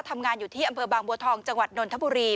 ทำงานอยู่ที่อำเภอบางบัวทองจังหวัดนนทบุรี